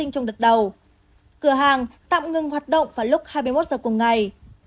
cửa hàng tạm ngừng hoạt động vào lúc hai mươi một h cùng ngày